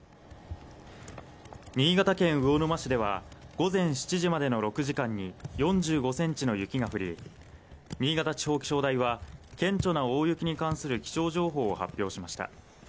新潟県魚沼市では午前７時までの６時間に４５ｃｍの雪が降り新潟地方気象台は顕著な大雪に関する気象情報を発表しました。